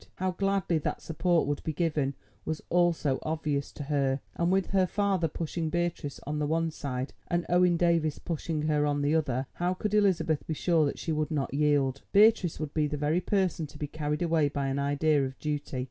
How gladly that support would be given was also obvious to her, and with her father pushing Beatrice on the one side and Owen Davies pushing her on the other, how could Elizabeth be sure that she would not yield? Beatrice would be the very person to be carried away by an idea of duty.